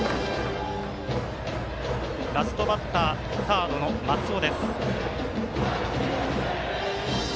ラストバッター、サードの松尾。